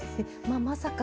まさか。